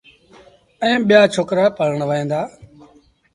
ائيٚݩ ٻيٚآ ڇوڪرآ پڙوهيݩ دآ۔